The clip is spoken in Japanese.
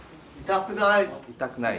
痛くない。